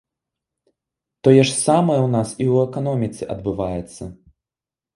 Тое ж самае ў нас і ў эканоміцы адбываецца.